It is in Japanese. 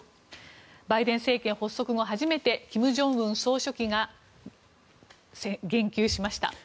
バイデン政権発足後初めて金正恩総書記が言及しました。